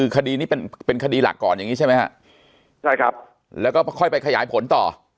คดีนี้เป็นคดีหลักก่อนใช่ไหมใช่ครับแล้วก็ค่อยไปขยายผลต่อ